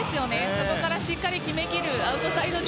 そこからしっかり決めきるアウトサイド陣。